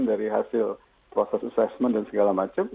dan dari hasil proses assessment dan segala macam